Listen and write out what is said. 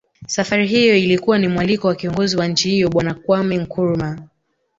Safari hiyo ilikuwa ni mwaliko wa kiongozi wa nchi hiyo Bwana Kwameh Nkrumah